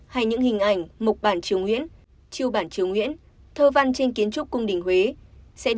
hay những hình ảnh mộc bản triều nguyễn chiêu bản triều nguyễn thơ văn trên kiến trúc cung đình huế